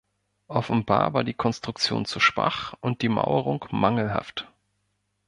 Offenbar war die Konstruktion zu schwach und die Mauerung mangelhaft.